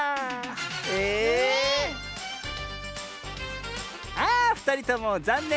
ええっ⁉あふたりともざんねん。